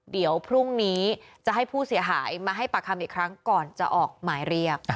เดี๋ยวพรุ่งนี้จะให้ผู้เสียหายมาให้ปากคำอีกครั้งก่อนจะออกหมายเรียก